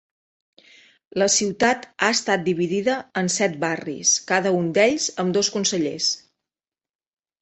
La ciutat ha estat dividida en set barris, cada un d'ells amb dos consellers.